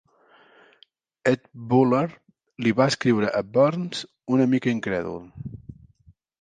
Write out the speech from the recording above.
Ed Buller li va escriure a Burns, "una mica incrèdul".